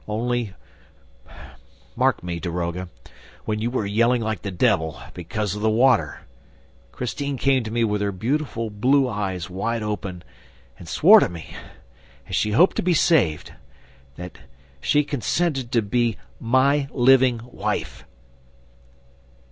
... Only, mark me, daroga, when you were yelling like the devil, because of the water, Christine came to me with her beautiful blue eyes wide open, and swore to me, as she hoped to be saved, that she consented to be MY LIVING WIFE!